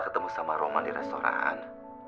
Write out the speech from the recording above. ketemu sama roman di restoran